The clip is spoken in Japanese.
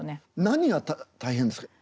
何が大変ですか？